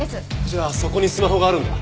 じゃあそこにスマホがあるんだ。